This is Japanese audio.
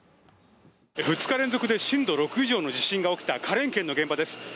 ２日連続で震度６以上の地震が起きた花蓮県の現場です。